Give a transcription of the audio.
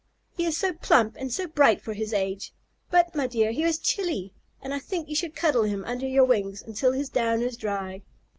"He is so plump and so bright for his age. But, my dear, he is chilly, and I think you should cuddle him under your wings until his down is dry."